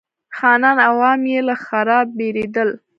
خانان او عوام یې له ښرا بېرېدل.